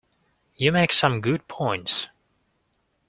You make some good points.